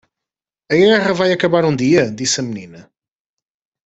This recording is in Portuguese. "A guerra vai acabar um dia?" disse a menina.